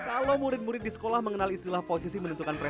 kalau murid murid di sekolah mengenali istilah posisi menentukan pilihan lalu